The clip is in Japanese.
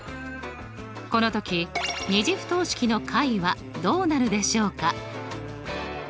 この時２次不等式の解はどうなるでしょうか？